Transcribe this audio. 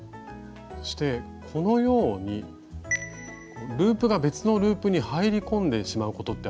そしてこのようにループが別のループに入り込んでしまうことってありますよね。